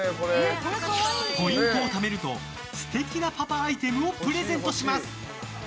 ポイントをためると素敵なパパアイテムをプレゼントします。